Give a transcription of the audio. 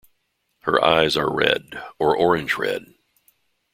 Her eyes are red or orange-red.